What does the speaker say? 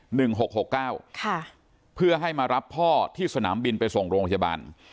หกหกเก้าค่ะเพื่อให้มารับพ่อที่สนามบินไปส่งโรงพยาบาล